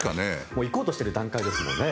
もう、行こうとしている段階ですもんね。